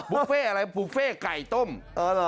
บุฟเฟ่อะไรนะบุฟเฟ่ไก่ต้มเออเหรอ